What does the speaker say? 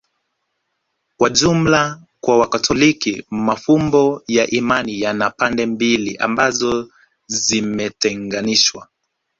Kwa jumla kwa Wakatoliki mafumbo ya imani yana pande mbili ambazo zimetenganishwa